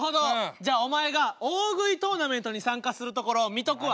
じゃあお前が大食いトーナメントに参加するところ見とくわ。